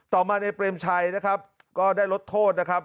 ต่อมาในเปรมชัยนะครับก็ได้ลดโทษนะครับ